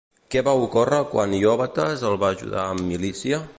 Què va ocórrer quan Iòbates el va ajudar amb milícia?